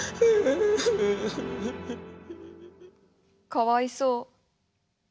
かわいそう。